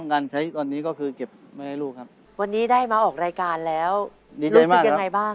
คุณไทยของสำเร็จครับ